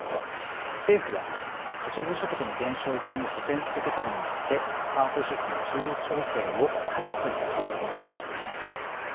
政府は可処分所得の減少分を補填することによってパート主婦の就労調整を回避する策を検討しています。